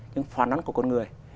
những phản án của con người